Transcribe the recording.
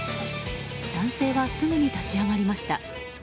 男性はすぐに立ち上がりました。